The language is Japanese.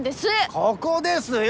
ここですよ！